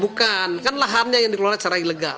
bukan kan lahannya yang dikelola secara ilegal